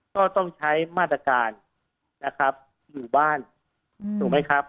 ก็ต้องใช้มาตรการนะครับอยู่บ้านถูกไหมครับ